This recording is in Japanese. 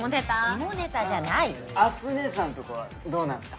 下ネタじゃないアスねえさんとこはどうなんすか？